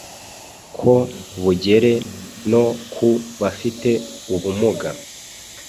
ko bugere no ku bafite ubumuga